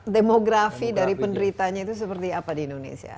demografi dari penderitanya itu seperti apa di indonesia